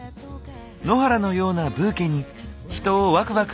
野原のようなブーケに人をワクワクさせる秘密が。